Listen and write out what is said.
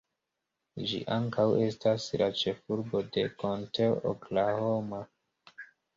Ĝi ankaŭ estas la ĉefurbo de Konteo Oklahoma.